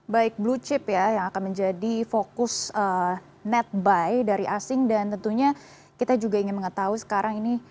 baik blue chip ya yang akan menjadi fokus net buy dari asing dan tentunya kita juga ingin mengetahui sekarang ini